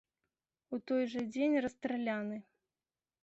У той жа дзень расстраляны.